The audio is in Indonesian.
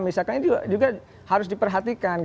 misalkan ini juga harus diperhatikan